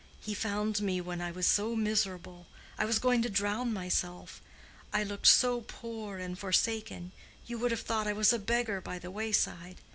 He found me when I was so miserable—I was going to drown myself; I looked so poor and forsaken; you would have thought I was a beggar by the wayside.